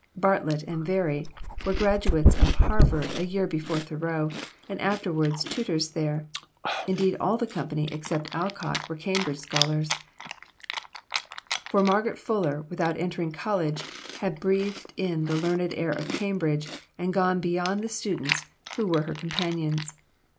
Bartlett and Very were graduates of Harvard a year before Thoreau, and afterwards tutors there; indeed, all the company except Alcott were Cambridge scholars, for Margaret Fuller, without entering college, had breathed in the learned air of Cambridge, and gone beyond the students who were her companions.